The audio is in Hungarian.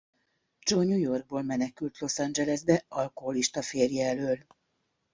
Jo New Yorkból menekült Los Angeles-be alkoholista férje elől.